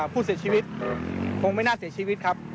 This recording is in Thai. ผู้เสียชีวิตคงไม่น่าเสียชีวิตครับ